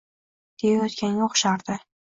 Deyayotganga o`xshardi